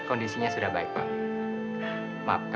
oke silahkan pak